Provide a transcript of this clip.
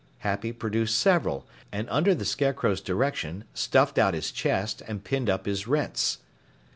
Happy produced several and under the Scarecrow's direction stuffed out his chest and pinned up his rents.